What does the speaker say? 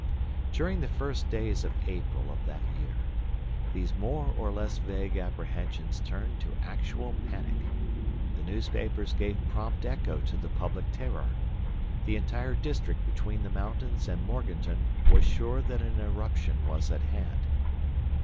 During the first days of April of that year, these more or less vague apprehensions turned to actual panic. The newspapers gave prompt echo to the public terror. The entire district between the mountains and Morganton was sure that an eruption was at hand.